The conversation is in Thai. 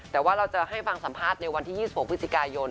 แต่ว่าเราจะให้ฟังสัมภาษณ์ในวันที่๒๖พฤศจิกายน